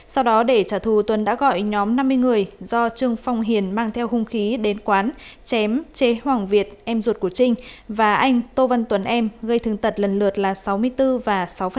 sau đó để trả thù tuân đã gọi nhóm năm mươi người do trương phong hiền mang theo hung khí đến quán chém chế hoàng việt em ruột của trinh và anh tô văn tuấn em gây thương tật lần lượt là sáu mươi bốn và sáu